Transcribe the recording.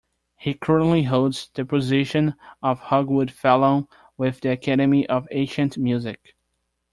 He currently holds the position of Hogwood Fellow with the Academy of Ancient Music.